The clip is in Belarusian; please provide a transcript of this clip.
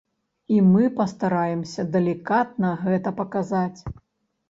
І мы пастараемся далікатна гэта паказаць.